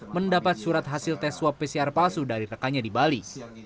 mendapat surat hasil tes swab pcr palsu dari rekannya di bali